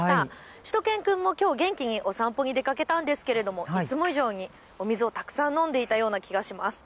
しゅと犬くんもきょう、元気にお散歩に出かけたんですがいつも以上に水をたくさん飲んでいたような気がします。